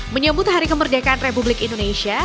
menyambut hari kemerdekaan republik indonesia